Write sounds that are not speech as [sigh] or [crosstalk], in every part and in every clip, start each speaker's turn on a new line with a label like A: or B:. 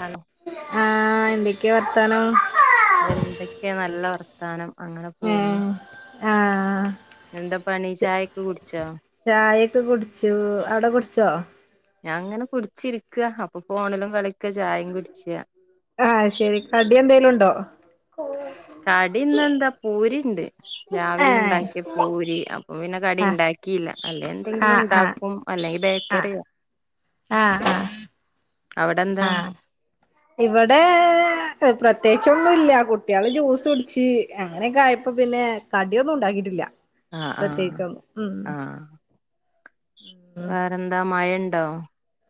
A: Hello
B: ആഹ എന്ത ക്കെ വർത്താനം
A: എന്തൊക്കെയ നല്ല വർത്താനം അങ്ങനെ പോകുന്നു
B: ആ
A: എന്താ പണി ചായക്ക് കു
B: ചായേ പത്ത് കുടിച്ചു അട കുടിച്ചോ
A: ഞാൻ അങ്ങനെ കുടിച്ചിരിക്കയാ അപ്പൊ ഫോണിലും കളിക്ക ചായയും കുടിച്ച
B: ആഹ ശരി കടി എന്തേലും ഉണ്ടോ
A: കടിന്നെന്താ പൂരിണ്ട് രാവിലെ
B: ഏഹ്
A: ഉണ്ടാക്കിയ പൂരി അപ്പൊ പിന്നെ കടി
B: ആഹ്
A: ഉണ്ടാക്കിയില്ല അല്ലെ എന്തെങ്കിലും
B: ആഹ് ആഹ്
A: ഉണ്ടാക്കും അല്ലെങ്കിൽ
B: ആഹ്
A: ബേക്കറിയാ
B: ആഹ ഇവിടെ പ്രത്യേകിച്ചൊന്നും ഇല്ല കുട്ടികള് ജ്യൂസ് കുടിച്ച് അങ്ങനെയൊക്കെ ആയപ്പോ പിന്നെ കടിയൊന്നും ഉണ്ടാക്കിയിട്ടില്ല
A: ആഹ് ആഹ്
B: പ്രത്യേകിച്ചൊന്നും ഉം
A: വേറെ എന്താ മയണ്ട് ണ്ടൗ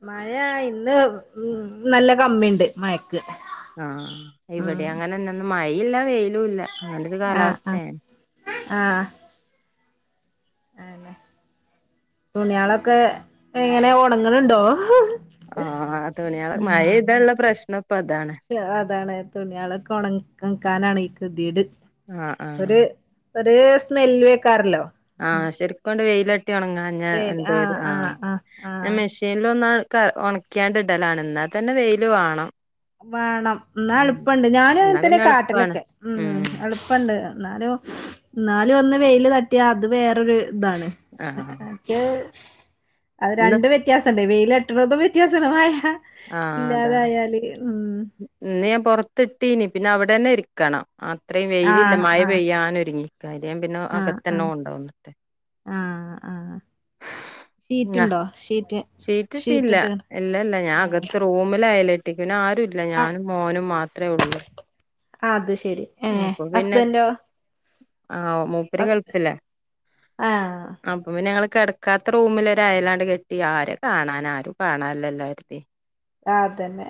B: മഴ ഇന്ന് ഉ നല്ല കമ്മിണ്ട് മഴ
A: ആഹ ഇവിടെ അങ്ങനെന്ത മഴല്ല വേ ല്ല അങ്ങന ഒരു കാലാവസ്ഥയാണ്
B: ആ അല്ലെ തുണിയളൊക്കെ എങ്ങനെ ഓണാങ്ങണണ്ടോ
A: ആഹ തുണിയള മഴ ഇതുള്ള പ്രശ്നം ഇപ്പ അതാണ്
B: അതാണ് തുണിയളൊക ഉണക്കാനാണ് ക്കെ ദിട്
A: ആഹ ആഹ
B: ഒരു സ്മെല്ല് വെക്കാറല്ലോ
A: ആഹ ശെരിക്ക് കൊണ്ട് വെയിലട്ടി ഉണങ്ങാ ഞാൻ എന്തോ
B: ആഹ്
A: ആ
B: ആഹ് ആഹ്
A: ഞാൻ
B: ആഹ്
A: മെഷീനിൽ ഒന്ന ക ഉണക്കാണ്ട ഇടലാണ് എന്നാൽ തന്നെ വെയിയില് വേണം
B: വേണം എന്നാ
A: ഉം
B: എളുപ്പമുണ്ട് ഞാന്
A: എന്നാ
B: തന്നെ
A: പിന്നെ എളുപ്പാണ്
B: കാട്ടിലൊക്കെ ഉം എളുപ്പമുണ്ട് എന്നാലും എന്നാലും ഒന്ന് വെയില് തട്ടിയാ അത് വേറൊരു ഇതാണ
A: ആഹ്
B: മറ്റേ അത്
A: ഇന്ന്
B: രണ്ട് വ്യത്യാസണ്ട് വ കെട്ടുന്നതും വ്യത്യാസണ്ട് [unintelligible]
A: ആഹ്
B: ഇല്ലാതെ
A: അതാണ്
B: ആയാല്
A: ഇന്ന് ഞാൻ പൊറത്തി ഇട്ടീനി പിന്നെ അവിടെ ഉടനെ ഇരിക്കണം അത്രയും വെയിലില്ല
B: ആഹ്
A: മഴ
B: ആഹ്
A: പെയ്യാനൊരുങ്ങി കാര്യം പിന്നെ
B: ആഹ്
A: അകത്തന്നെ
B: ആഹ് ആഹ് ആഹ്
A: കൊണ്ടവുംആ
B: ഷീറ്റ്ണ്ടോ ഷീറ്റ്
A: ഷീറ്റിട്ടിയില്ല
B: ഷീറ്റ്ട്ട്
A: ഇല്ലല്ല ഞാൻ
B: ഏഹ്
A: അകത്ത് റൂമിലായല പിന്നെ ആ ഒരു ഞാനും മോനും മാത്രമേ ഉള്ളൂ
B: ആ അത് ശരി ഏ ഹസ്ബന്റോ
A: ആ മൂപ്പര്
B: ഹസ്
A: ഗൾഫല്ലേ
B: ആഹ്
A: അപ്പൊ പിന്നെ ഞങ്ങ കിടക്കാത്ത റൂമിലൊരയലാണ്ട് കെട്ടി ആരെ കാണാൻ ആരും കാണാനല്ല കേരുതി
B: ആ അതന്നെ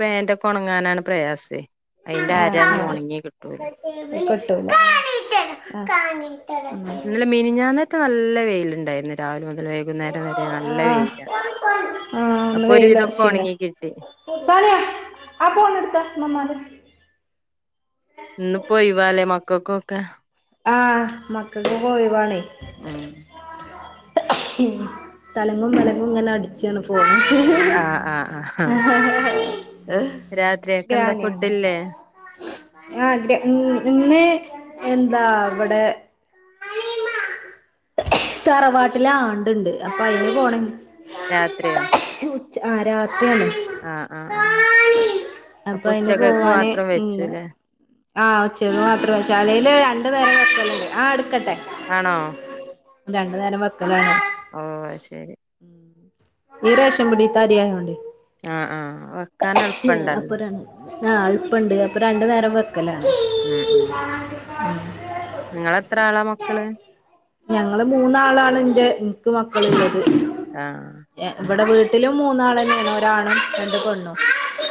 A: പാന്റൊക്കെ ഉണങ്ങാനാണ് പ്രയാസേ അയിന്റെ അരൊന്നും ഉണങ്ങി
B: ആ
A: കിട്ടൂല
B: ആ [unintelligible]
A: ഇന്നലെ മിനിഞ്ഞാനെത്തെ നേരം നല്ല വെയിയിലുണ്ടായിരുന്നു രാവിലെ മുതൽ വൈകുന്നേരം വരെ നല്ല വെയില
B: ആആ
A: അപ്പൊ ഒരു വിധൊക്കെ
B: വെയിലൊറച്ചീന
A: ഉണങ്ങി കിട്ടി
B: സാലിയാ ആ ഫോൺ എടുത്ത ഉമ്മാന്റെ
A: ഇന്ന് പോ ഒയ് വാലെ മക്കൾക്കൊക്കെ
B: ആ മക്കക്ക് ഒഴിവാണേ
A: ഉം
B: തലങ്ങും മലകും ഇങ്ങനെ അടിച്ചാണ് പോ
A: ആഹ് ആഹ് ആഹ് രാത്രിയൊക്കെ എന്താ
B: ഗ്രാനാണ്
A: ഫുഡില്ലേ
B: ആ് ഗ്ര ഇന്ന് എന്താവിടെ തറവാട്ടിലെ ആണ്ടുണ്ട് അപ്പൊ അയിന് പോണെ
A: രാത്രിയാ
B: ആരാ അപ്പൊ അതിന്
A: ഉച്ചക്കക്ക്
B: പോവാന്
A: മാത്രം വെച്ചുല്ലേ
B: ആച്ചത് മാത്ര ചാലൽ ര രണ്ടുനേരം വക്കലുണ്ട് ആ എടുക്കട്ടെ
A: ആണോ
B: രണ്ടു നേരം വക്കലാണ്
A: ഓ ശരി
B: ഈ രശം പിടിീത്ത അരിയായോണ്ട്
A: ആഹ് ആഹ വെക്കാൻ എളുപ്പണ്ടല്ലോ
B: ആഹ് എളുപ്പുണ്ട് അപ്പൊ രണ്ടു നേരം വ വെക്കലാണ്
A: ഉം ഉം
B: ഉം
A: നിങ്ങളെത്ര ആളാ മക്കള്
B: ഞങ്ങള് മൂന്നാളാണ് എൻന്റെ എനക്ക് മക്കളുള്ളത്
A: ആഹ്
B: ഇവിടെ വീ എട്ടിലും മൂന്നാൾ തന്നെയാണ് ഒരാണും രണ്ട് പെണ്ണും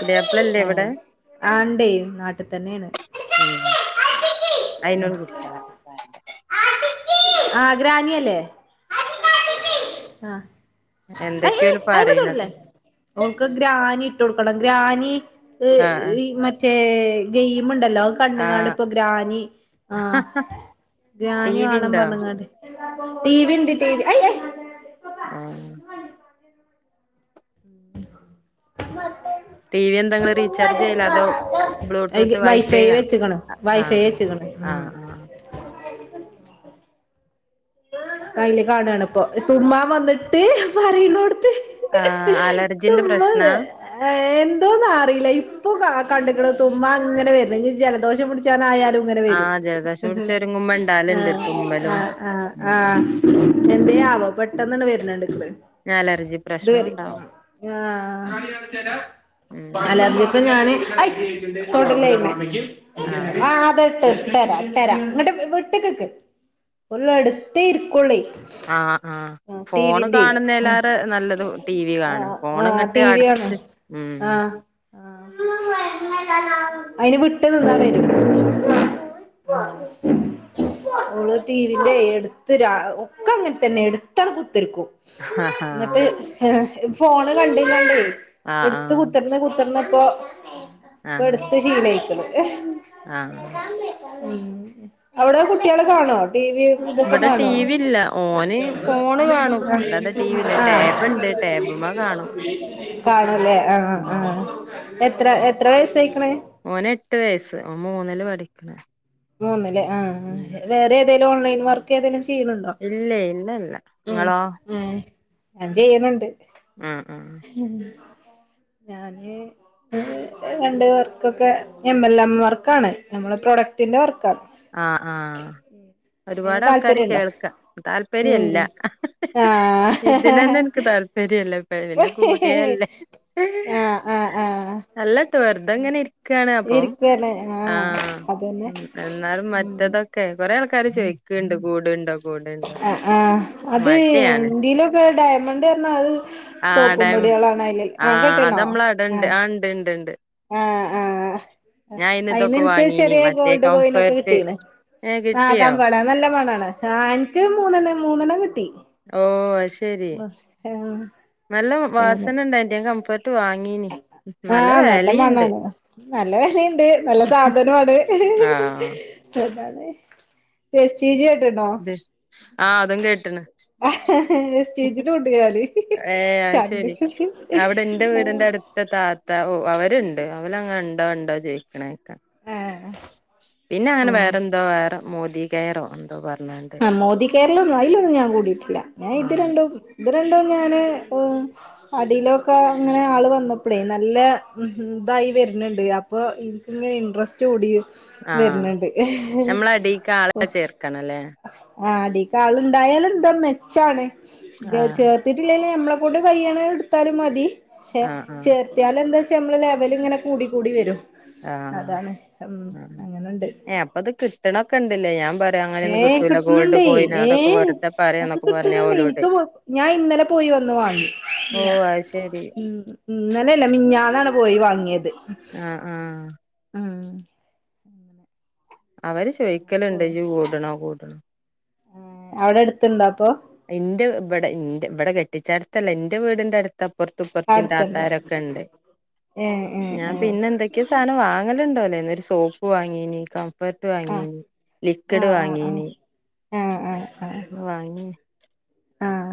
A: പുതിയാപ്പിളല്ലേ
B: ഏ
A: ഇവിടെ
B: ആണ്ടേ നാട്ടി തന്നേണ്
A: ഉ അയിതിനോട് കുടിച്ചാ
B: ആഹ ഗ്രാനി അല്ലേ ആഹ അ
A: എന്തൊക്കെയ ഓല്
B: അയി്മ
A: പറയണത്
B: തൊടല്ലേ ൾക്ക് ഗ്രാന ഇട്ട കൊടുക്ക ഗ്രാനി
A: ആഹ് ആഹ്
B: ഈ മറ്റേ ഗെയിം ഇണ്ട് ണ്ടല്ലോ കണ്ട കാണ
A: ആഹ്
B: ഇപ്പൊ ഗ്രാനി ആ
A: ടി
B: ഗ്രാനി
A: വി
B: വേണം
A: ഉണ്ടോ
B: പറഞ്ഞങ്ങാട് ടിവി ഇണ്ട് ടിവി ഈയ്യേ
A: ആഹ
B: മറ്റെ
A: ടി വി എന്തെങ്കും റീചാർജ് ചെയ്ല്ല അതോ
B: അയ്ല്
A: ബ്ലൂടൂത്ത് വൈഫൈ
B: വെച്ച്ക്ക്ണ്
A: ആ ആ
B: വൈഫൈ വെച്ച്ക്ക്ണ്
A: ആ
B: ഉം
A: ആ
B: അയില് കാണാണ് അപ്പൊ തുമ്മാ വന്നിട്ട് പറന്നുടു
A: ആ അലർജിന്റെ പ്രശ്നാ
B: കണ്ടുള് തുമ്മാ ഇങ്ങനെ വരുന്നു ഇനി ജലദോഷം മുടിച്ചാനായാല
A: ആഹ് ജലദോഷം പിടിച്ച ഒരുങ്ങുമ്പോ ഉണ്ടാലുണ്ട് തുമ്പലും
B: ആ
A: ഉ
B: എന്ത ആവ പെട്ടെന്നന്ന വരുന്നണ്ട്
A: അലർജി പ്രശ്നം
B: ഇതുവരെ
A: ഉണ്ടാവും
B: ആ
A: ഉം
B: അലർജിൊക്കെ ഞാന് ആ തൊടലല്ല
A: ആഹ്
B: ആ അതെ. ട്ടരാം ട്ടരാം അങ്ങട്ട വെട്ടിക്കൊക്ക് ഒള്ളെടു തീർക്കൊള്ളി.
A: ആ ആ ഫോണ് കാണുന്നേല്ലാറ് നല്ലത് ടി വി
B: ആ
A: കാണ ഫോണ
B: ആ
A: ഇങ്ങട്ട്
B: ടി വി ആണ്
A: അടുത്ത് ഉം
B: ആ അയിനെ വിട്ട് നിന്നാ വരും നമ്മള് ടിവിന്റെടു തിര ഒക്കങ്ങനെതന്നെ എടുത്താബുട് രിക്കും
A: ആഹാ
B: എന്നിട്ട് ഫോണ് കണ്ട്ഴിഞ്ഞാലണ്ടേ
A: ആഹ്
B: എടുത്ത് കുത്തിർന്ന് കുത്തിർന്ന് [unintelligible] ഇപ്പൊടുത്ത് ശീലായിക്കോളും.
A: ആ
B: മ് അവിടെ കുട്ടികള് കാണോ ടി വി? ഇതൊക്കെ
A: ഇവടെ ടി
B: കാണോ
A: വി ഇല്ല, ഓന് ഫോണ് കാണും, അല്ലാതെ ടി വി ഇല്ല
B: ആഹ്
A: ടാബ്ണ്ട് ടാബ്മ്മ കാണും.
B: അല്ലെ ആ
A: ഉം
B: ആ എത്ര എത്ര വയസായിക്കണ്?
A: ഓന് എട്ട് വയസ്സ് ഓൻ [unintelligible]
B: മൂന്നല്ലേ ആ ആ വേറെ എത് ന്തേലും ഓൺലൈൻ വർക്ക് ഏതേലും ചെയ്യണുണ്ടോ
A: ഇല്ല ഇല്ലല്ല
B: ഉം
A: ങ്ങളോ?
B: ഏഹ് ഞാൻ ചെയ്യണൊണ്ട്.
A: ആ
B: ഞാന് ഒരു രണ്ട് വർക്കൊക്കെ എം എൽ എം വർക്കാണ് ഞമ്മള് പ്രൊഡക്ടിന്റെ വർ
A: ആ ആ
B: അതിന്
A: ഒരുപാടാൾക്കാര്
B: താല്പര്യണ്ടോ
A: കേൾക്ക താല്പര്യല്ല,
B: ഉം
A: ഇതിനന്നെ എനിക്ക് താല്പര്യല്ല. പിന്നെ കൂടിയല്ലേ
B: ആ ആ ആ
A: അല്ലട്ടോ വെറുതെ ഇങ്ങനെ ഇരിക്കാണ് അപ്പം
B: ഇരിക്കന്നെ ആ
A: ആഹ്
B: അതന്നെ
A: ഉം എന്നാലും
B: ഉം
A: മറ്റതൊക്കെ കൊറെയാൾ ക്കാര് ചോദിക്കുണ്ട് കൂടുണ്ടോ കൂടുണ്ടോ
B: ആ ആ അത്
A: മടിയാണ്
B: എന്തേലോക്കെയായിട്ട മണ്ടി വര്ണ അത്
A: ആ
B: സോപ്പും
A: ടാ
B: പൊടികളാണ് അയില്
A: ആ
B: ആഹ്
A: അത് നമ്മളാടെണ്ട് ആ ഇണ്ട് ഇണ്ട് ഇണ്ട്.
B: ആ ആ
A: ഞാൻ അയിന് ഇതൊക്കെ
B: അയിന്നെനിക്ക്
A: വാങ്ങീനി
B: ചെറിയെ
A: മറ്റേ
B: ഗോൾഡ് കോയിൻ ഒക്കെ
A: കംഫേർട്ട്
B: കിട്ടീന്ന്,
A: ഏഹ് കിട്ടിയോ
B: ആകാംമ്പാട നല്ല [unintelligible] ആ എന്ക്ക് മൂന്നെണ്ണം മൂന്നെണ്ണം കിട്ടി.
A: ഓ അത്ശരി
B: ആഹ്
A: നല്ല വാസന ഉണ്ടായിന്റെ കംഫ
B: ആ നല്ല മണാണ്, നല്ല വെലയിണ്ട്, നല്ല സാധനമാണ്, എന്താണ്
A: തെ ആ അതും കേട്ടണ്. ഏഹ് അത് ശെരി
B: [unintelligible]
A: ത്ത ഓ അവരുണ്ട് അവലങ്ങ ഇണ് ഇോ ഉണ്ടോ ചോയിിക്കണ കേക്ക
B: ആഹ്
A: പിന്നെ അങ്ങനെ
B: ഉം
A: വേറെ എന്താ വേറെ മോദി കയറോ എന്താ പറയ
B: ആ മോദി കേരളംൊന്നും അതിലൊന്നും ഞാൻ കൂടിയിട്ടില്ല ഞാൻ ഇത്
A: ആഹ്
B: രണ്ടും ഇ ഞാന് അടിയിലൊക്കെ ഇങ്ങനെ ആള് വന്നപ്പോഴേ നല്ല ഇതായി വരുന്നുണ്ട് അപ്പോൊ എനിക്ക്ിങ്ങനെ ഇൻട്രസ്റ്റ് കൂടി
A: ആഹ
B: വരുന്നുണ്ട്
A: നഞമ്മളട കാ ആള ചേർക്കണംല്ലേ
B: അ ആ അടക്കാള ഉണ്ടായാല എന്താ മെച്ചാണ്
A: ആഹ്
B: ചേർത്തിട്ടില്ലല്ല നമ്മള അൊണ്ട് കഴ്യണ എടുത്താലും മതി െ
A: ആഹ് ആഹ്
B: ചേർത്തിയാാല എന്താ നമ്മള് ലെവല ഇങ്ങനെ കൂട കൂടി വരും അതാണ് ഉം അങ്ങനുണ്ട്
A: ആഹ അപ്പൊത് കിട്ടണൊക്കെ ഉണ്ട് ഞാ
B: ഏ കിട്ടണണ്ടേ ഏ
A: വെറുതെ
B: അത്
A: പറയാന്നൊക്കെ പറഞ്ഞ്
B: കിട്ടണണ്ട്
A: ഓലോട്
B: എനിക്ക് ഞാൻ ഇന്നലെ പോയി വന്ന് വാങ്ങി
A: ഓഹ് അത് ശെരി
B: ഉ ഇന്നലെല്ല മിഞ്ഞ ാണ് പോയി വങ്ങിയത്
A: ആഹ് ആഹ്
B: ആഹ
A: അവര് വെഹിക്കൽിണ്ട്
B: പോയി
A: കൂടണോ കൂട പട്ട
B: അവിടെ എടുത്തണ്ടോ അപ്പൊ
A: എന്റെ ഇവിടെ ഇവിടെ കെട്ടിച്ചടുത്തല്ല എറെ വീടിന്റെ അടുത്ത് തപ്പുറത്ത്ുപ്പുറത്തി
B: അടുത്തുണ്ട്
A: താത്താരൊക്കെ ഉണ്ട്
B: ഏഹ് ഏഹ്
A: ഞാൻ
B: ഏഹ്
A: പിന്നെ എന്തൊക്കെയ സാധനം വാങ്ങലുണ്ടോല്ലേ സോപ്പ് വാങ്ങീ നീക്കാം പ്പർട്ട്
B: ആഹ്
A: വാങ്ങീന് ലിക്വിഡ് വാങ്ങീന്
B: ആ ആ
A: വാങ്ങന
B: ആഹ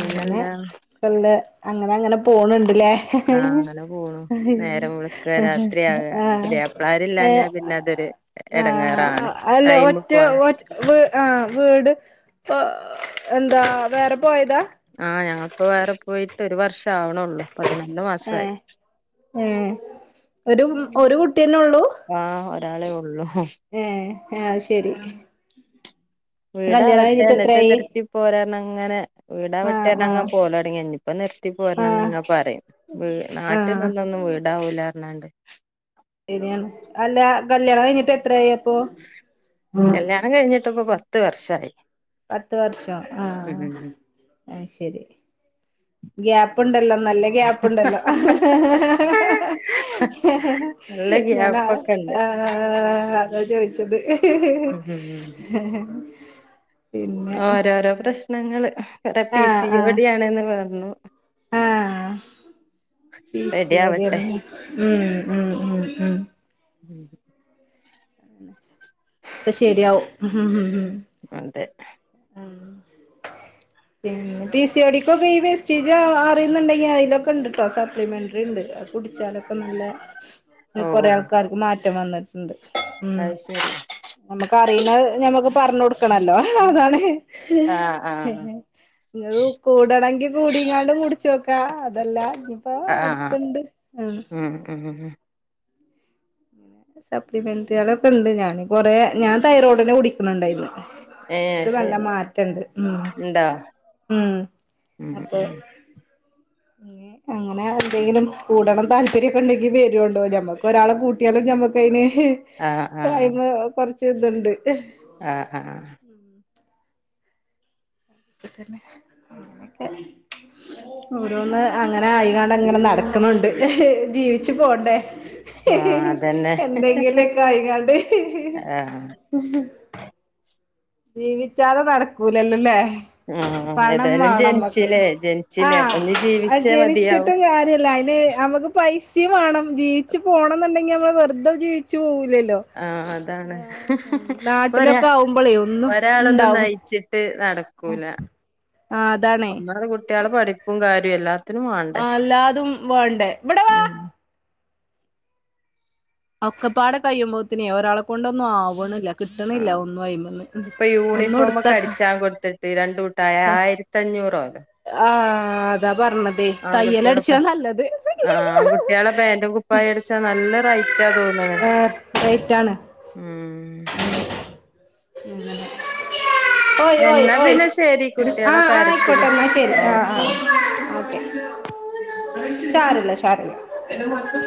B: അങ്ങനെ കൊല്ല അങ്ങനെ അങ്ങനെ പോണുണ്ട്ല്ലേ
A: ആ അങ്ങനെ പോണു നേരം വെളുക്ക രാത്രിയാക
B: ആ ഏ
A: പുതിയാപ്ലാരില്ലാഞ്ഞാ പിന്നെ അതൊരു
B: ആ
A: എടങ്ങേറാണ്
B: അല്ല
A: ടൈമ്
B: ഒറ്റ
A: പോവാൻ
B: വ ആ വീട് അ [inaudible] എന്താ വേറെ പോയതാ
A: ആഹ് ഞങ്ങിപ്പോ വേറെ പോയിട്ട് ഒരു വർഷം ട്ടാ ആവണള്ളൂ പതിനൊന്ന്‌ മാസായി
B: ഏഹ് ഏഹ് ഒരു ഒരു കുട്ടിയല്ലെ ഒള്ളു
A: ആ ഒരാളെ ഒള്ളൂ
B: ഏ ഏ അത് ശെരി
A: വീടാവട്ടെ ന്നിട്ട് നിർത്തി പോരാ ണങ്ങനെ വീടാ
B: ആഹ് ആഹ്
A: വെട്ടേണങനെ പോലടങ്ങി ഇനി നിർത്തി
B: ആഹ്
A: പോരണംന്ന്ങ്ങനെ പറയും വീ നാട്ടിൽ
B: ആഹ്
A: നിന്നൊന്നും വീട് ഉണ്ടാവൂലറഞ്ഞാണ്ട്
B: ശെരിയാണ് അല്ല കല്യാണം കഴിഞ്ഞിട്ട് എത്രായി
A: കല്യാണം കഴിഞ്ഞിട്ടപ്പൊ പ പത്ത് വർഷം
B: പത്ത് വർഷം ആ ആ ശെരി ഗ്യാപ്പ്ണ്ടല്ലോ നല്ല ഗ്യാപ്പ്ണ്ടല്ലോ ഹ് ഹ് ഹ്
A: നല്ല
B: ഹ് ഞാന
A: ഗ്യാപ്പൊക്കെണ്ട്
B: ആ അതാ ചോദിച്ചത് ഹ് ഹ് ഹ് ഹ്
A: ഉം
B: ഹെ ഹെ
A: ഒരോ ഒരോ പ്രശ്ന ങ്ങള് ടെ പി സിയോടിയാണ്ന്ന് പറഞ്ഞു
B: ആ
A: റെഡി
B: ഉം
A: ആവട്ടെ
B: ഉം ഉം ഉം
A: ഉം
B: ഒ ക്കെ ശെരിയാവും ഹ് ഹ്
A: അതെ
B: പിന്നെ പി സി ഡിക്കൊക്കെ ഈ വേസ്റ്റേജ് അറിയുന്നുണ്ടെങ്കി അതിലൊക്കെ ഉണ്ട് ട്ടോ സപ്ലിമെന്ററി ണ്ട് കുടിച്ചാലൊക്കെ നല്ല
A: ഓ
B: കൊറേ ആൾക്കാർക്ക് മാറ്റം വന്നിട്ടുണ്ട് ഉ
A: അത് ശരി
B: നമ്മുക്ക് അറിയുന്ന ഞമ്മക്ക് പറഞ്ഞ കൊടുക്കണല്ലോ അതാണ്
A: ആഹ് ആഹ്
B: നിങ്ങക്ക് കൂടണങ്കിൽ കൂടിങ്ങാണ്ടും കുടിച്ചോക്കാ അതല്ല ഇപ്പൊ
A: ആഹ്
B: അട്ത്ത്ണ്ട് ആ
A: ഉം ഉം
B: സപ്ലിമെന്ററികളൊക്കെ ണ്ട് ഞാൻ കൊറെ ഞാൻ തൈറോഡിന് കുടിക്കണണ്ടായിരുന്നു
A: ഏഹ്
B: നല്ല
A: ശരി
B: മാറ്റണ്ട് മ്
A: ഇണ്ടോ
B: മ്
A: ഉം
B: അപ്പൊ
A: ഉം
B: അങ്ങനെ എന്തെങ്കിലും കൂടണം താല്പര്യക്കെ ഉണ്ടെങ്കി വരോണ്ടൂ ഞമ്മക്ക് ഒരാളെ കൂട്ട്യാലും ഞമ്മക്കയിന് ഹ്
A: ആഹ് ആഹ്
B: അന്ന് കെറ ചെന്ത്ണ്ട്
A: ആഹ് ആഹ്
B: ഓരോന്ന് അങ്ങനെ ആയികണ്ട്ങ്ങനെ നടക്കുന്നുണ്ട് ജീവിച്ചു പോണ്ടേ
A: ആഹ് അതന്നെ
B: എന്തെങ്കിലും കഴിഞ്ഞണ്ട്
A: ആഹ്
B: ജീവിച്ചാതെ നടക്കൂലല്ലോല്ലേ
A: ആഹ്
B: പണം
A: ഏതായാലും
B: വേണംമ്മക്ക്
A: ജനിച്ചില്ലേ ജനിച്ചില്ലേ അപ്പൊ ഇനി
B: ആഹ്
A: ജീവിച്ചേ മതിയാവും
B: ജനിച്ചിട്ടും കാര്യല്ല അതിന് നമ്മക്ക് പൈസ [unintelligible] വേണം ജീവിച്ചു പോകണം എന്നുണ്ടെങ്കിൽ നമ്മൾ വെറുതെ ജീവിച്ച് പോകു
A: ആഹ് അതാണ് പോരാ
B: നാട്ടിലൊക്കെ ആവുമ്പളേ ഒന്നും
A: ഒരാളൊന്നും
B: ഉണ്ടാവും
A: നയിച്ചിട്ട് നടക്കൂല
B: ആഹ് അതാണേ
A: ഒന്നാള് കുട്ടികള് പഠിപ്പും കാര്യഎ
B: ആ അല്ലാതും വേണ്ടേ ഇവിടെ വ
A: ഉം
B: ഒക്കപ്പാടെ കഴിയുമ്പോത്തിനേ ഒരാളെ കൊണ്ടൊന്നും ആവണില്ല കിട്ടണില്ല
A: ആഹ്
B: ഒന്നും അയിമിന്ന് മ്
A: ഇപ്പൊ
B: ഒന്ന് കൊടുത്ത ക്
A: ത്തയ ആയിരത്തഞ്ഞു [unintelligible]
B: ആ അതാ പറഞ്ഞതേ തയ്യലടിച്ചാ
A: ഓരോന്ന്
B: നല്ലത്
A: അറിയാതെ എങ്ങനെ നടക്കുന്നുണ്ട്
B: ഏഹ് റേറ്റാണ്
A: ജീവിച്ചു പോണ്ടേ
B: മ് അങ്ങനെ
A: എന്നാ പിന്നെ ശരി
B: ആ
A: കുട്ടികളെ കരച്ചില് ഓക്കെ ഓക്കെ
B: ശരില്ല ശരില്ല